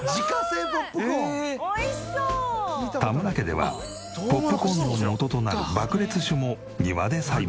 田村家ではポップコーンの元となる爆裂種も庭で栽培。